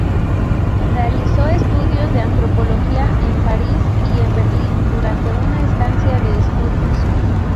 Realizó estudios de antropología en Paris y en Berlín durante una estancia de estudios.